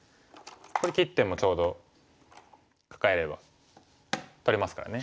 これ切ってもちょうどカカえれば取れますからね。